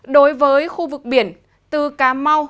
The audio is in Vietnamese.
đối với khu vực biển từ cà mau